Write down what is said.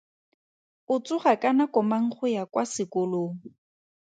O tsoga ka nako mang go ya kwa sekolong?